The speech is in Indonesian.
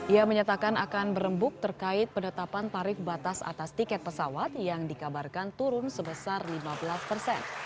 ia menyatakan akan berembuk terkait penetapan tarif batas atas tiket pesawat yang dikabarkan turun sebesar lima belas persen